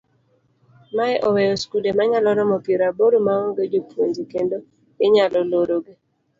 Mae oweyo skunde manyalo romo piero aboro maonge jopuonje kendo inyalo lorogi.